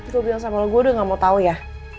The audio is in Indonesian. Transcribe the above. lo bilang sama lo gue udah gak mau tau ya